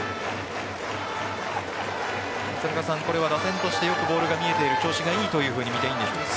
これは打線としてよくボールが見えている調子がいいと見ていいんでしょうか？